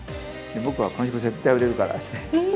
僕はこの曲、絶対売れるからって。